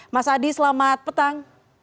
mas adi selamat petang